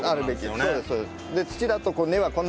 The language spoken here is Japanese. そうですそうです。